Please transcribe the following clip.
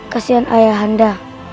kasian ayah anda